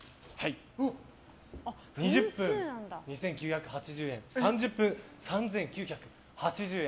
２０分、２９８０円３０分、３９８０円。